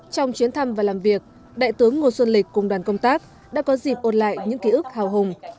trong chuyến thăm và làm việc đại tướng ngô xuân lịch cùng đoàn công tác đã có dịp ôn lại những ký ức hào hùng